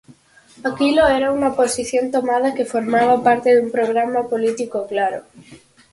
Aquilo era unha posición tomada que formaba parte dun programa político claro.